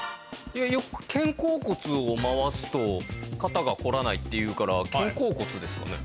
よく。を回すと肩がこらないっていうから肩甲骨ですかね。